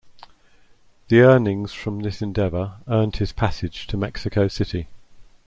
The earnings from this endeavor earned his passage to Mexico City.